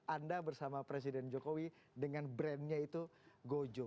anda bersama presiden jokowi dengan brandnya itu gojo